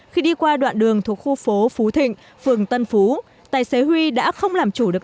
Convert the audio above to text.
khi đi qua đoạn đường thuộc khu phố phú thịnh phường tân phú tài xế huy đã không làm chủ được